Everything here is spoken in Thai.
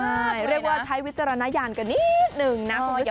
ใช่เรียกว่าใช้วิจารณญาณกันนิดนึงนะคุณผู้ชม